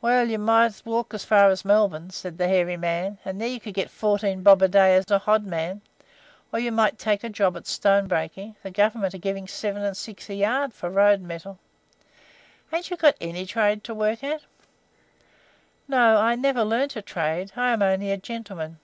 "Well, you might walk as far as Melbourne," said the hairy man, "and then you could get fourteen bob a day as a hodman; or you might take a job at stone breaking; the Government are giving 7s. 6d. a yard for road metal. Ain't you got any trade to work at?" "No, I never learned a trade, I am only a gentleman."